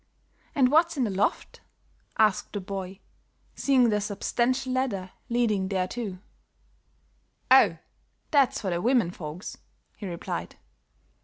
"And what's in the loft?" asked the boy, seeing the substantial ladder leading thereto. "Oh, that's for the women folks," he replied.